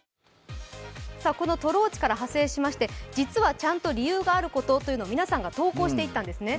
このトローチから派生しまして、実は理由があることということを皆さんが投稿していったんですね。